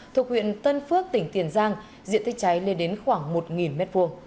thuộc huyện tân phước tỉnh tiền giang diện tích cháy lên đến khoảng một m hai